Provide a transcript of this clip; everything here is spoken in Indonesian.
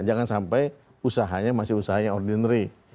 jangan sampai usahanya masih usahanya ordinary